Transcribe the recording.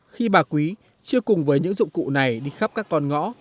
khi bà quý chia cùng với những dụng cụ này đi khắp các con ngõ